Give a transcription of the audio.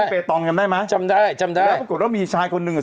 เปตองจำได้ไหมจำได้จำได้แล้วปรากฏว่ามีชายคนหนึ่งอ่ะ